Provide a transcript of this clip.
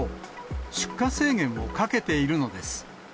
出荷制限をかけているのです。